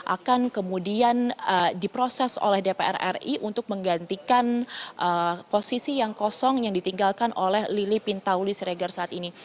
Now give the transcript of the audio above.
akan kemudian diproses oleh dpr ri untuk menggantikan posisi yang kosong yang ditinggalkan oleh lili pintauli siregar saat ini